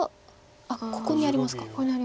あっここにありますか。